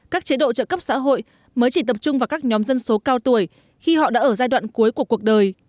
các chế độ trợ cấp xã hội mới chỉ tập trung vào các nhóm dân số cao tuổi khi họ đã ở giai đoạn cuối của cuộc đời